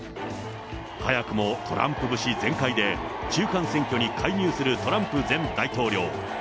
早くも、トランプ節全開で、中間選挙に介入するトランプ前大統領。